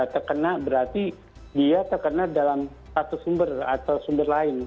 terkena berarti dia terkena dalam satu sumber atau sumber lain